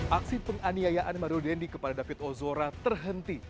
aksi penganiayaan mario dendi kepada david ozora terhenti